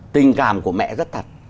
tình cảm của mẹ rất thật